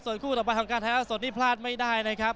ส่วนคู่ต่อไปของการแท้สดนี่พลาดไม่ได้นะครับ